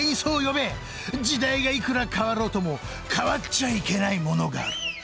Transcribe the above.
「時代がいくら変わろうとも変わっちゃいけないものがある！」